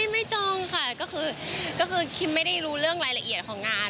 จ้องค่ะก็คือคิมไม่ได้รู้เรื่องรายละเอียดของงาน